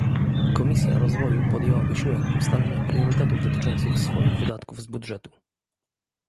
Komisja Rozwoju podjęła wysiłek ustalenia priorytetów dotyczących swoich wydatków z budżetu